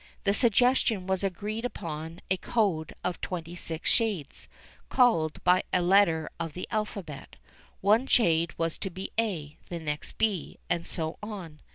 The suggestion was to agree upon a code of twenty six shades, each called by a letter of the alphabet. One shade was to be a, the next b, and so on.